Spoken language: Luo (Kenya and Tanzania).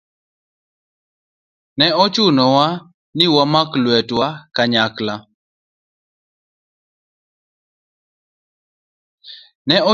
Ne ochunowa ni wamak lwetwa kanyachiel